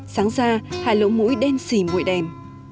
sáng ra hai lỗ mũi đen xì mũi đèn